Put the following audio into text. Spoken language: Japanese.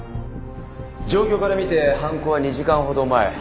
状況からみて犯行は２時間ほど前。